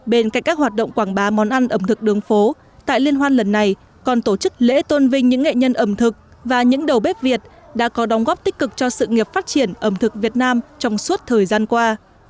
bên cạnh các hoạt động quảng bá món ăn ẩm thực đường phố tại liên hoan lần này còn tổ chức lễ tôn vinh những nghệ nhân ẩm thực và những đầu bếp việt đã có đóng góp tích cực cho sự nghiệp phát triển ẩm thực việt nam trong suốt thời gian qua